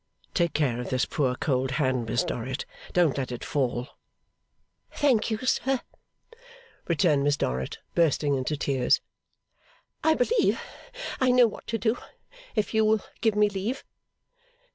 Take care of this poor cold hand, Miss Dorrit. Don't let it fall.' 'Thank you, sir,' returned Miss Dorrit, bursting into tears. 'I believe I know what to do, if you will give me leave.